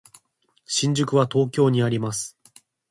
新宿は東京にあります。